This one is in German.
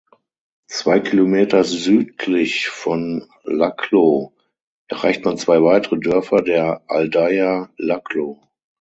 Zwei Kilometer südlich von Laclo erreicht man zwei weitere Dörfer der Aldeia Laclo.